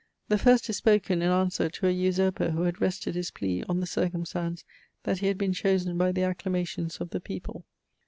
The first is spoken in answer to a usurper, who had rested his plea on the circumstance, that he had been chosen by the acclamations of the people.